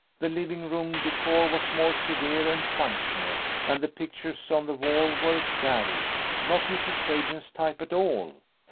The living room decor was more severe and functional. And the pictures on the wall were garish. Not Mrs. Sagen's type, at all.